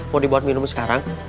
mau dibuat minum sekarang